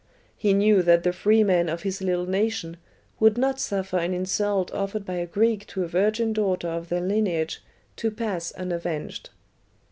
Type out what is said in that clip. He knew that the free men of his little nation would not suffer an insult offered by a Greek to a virgin daughter of their lineage to pass unavenged.